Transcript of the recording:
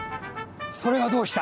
それがどうした！